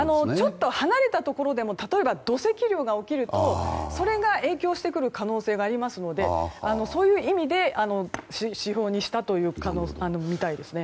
ちょっと離れたところでも例えば土石流が起きるとそれが影響してくる可能性がありますのでそういう意味で指標にしたということみたいです。